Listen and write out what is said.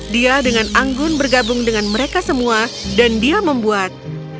dia dengan anggun bergabung dengan mereka semua dan dia membuat